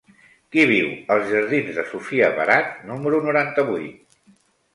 Qui viu als jardins de Sofia Barat número noranta-vuit?